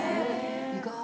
意外。